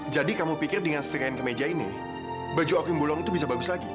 jadi kamu pikir dengan setrika in kemeja ini baju aku yang bulong itu bisa bagus lagi